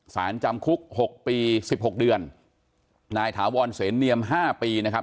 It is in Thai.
สารจำคุกหกปีสิบหกเดือนนายถาวรเสนเนียมห้าปีนะครับ